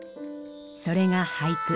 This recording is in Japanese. それが俳句。